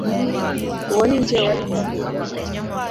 Uwo ni njye wari waguhamagaye